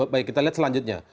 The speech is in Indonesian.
baik kita lihat selanjutnya